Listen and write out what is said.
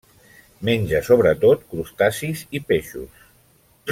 Menja sobretot crustacis i peixos.